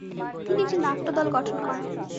তিনি একটি নাট্যদল গঠন করেন।